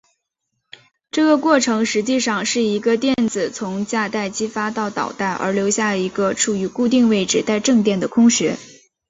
这个过程实际上是一个电子从价带激发到导带而留下一个处于固定位置带正电的空穴。